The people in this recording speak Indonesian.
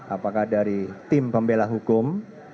apakah dari tim pembela hukum